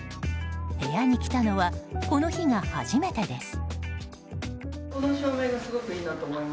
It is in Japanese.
部屋に来たのはこの日が初めてです。